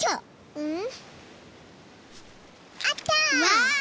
うん？